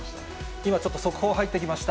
今、ちょっと速報入ってきました。